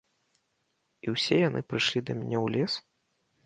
І ўсе яны прыйшлі да мяне ў лес?